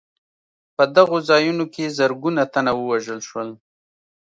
په دغو ځایونو کې زرګونه تنه ووژل شول.